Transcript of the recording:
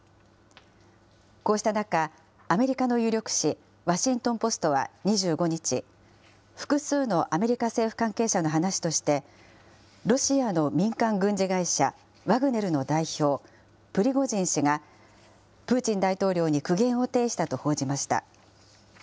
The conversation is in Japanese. こうした中、アメリカの有力紙、ワシントン・ポストは２５日、複数のアメリカ政府関係者の話として、ロシアの民間軍事会社、ワグネルの代表、プリゴジン氏が、プーチン大統領に苦言を呈したと報じました。